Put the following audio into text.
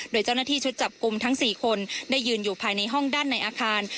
โดยเจ้าหน้าที่ชุดจับกลุ่มทั้ง๔คนได้ยืนอยู่ภายในห้องด้านในอาคาร